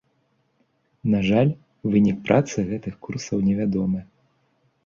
На жаль, вынік працы гэтых курсаў невядомы.